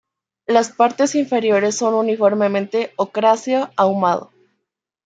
Las partes inferiores son uniformemente ocráceo ahumado.